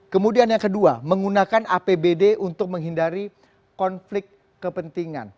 kemudian yang kedua menggunakan apbd untuk menghindari konflik kepentingan